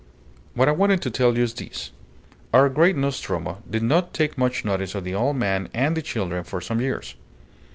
"What I wanted to tell you is this: Our great Nostromo did not take much notice of the old man and the children for some years.